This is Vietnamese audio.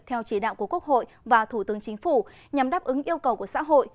theo chỉ đạo của quốc hội và thủ tướng chính phủ nhằm đáp ứng yêu cầu của xã hội